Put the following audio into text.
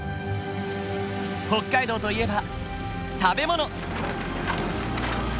北海道といえば食べ物！